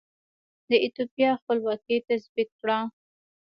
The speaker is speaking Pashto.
د ایتوپیا خپلواکي تثبیت کړه.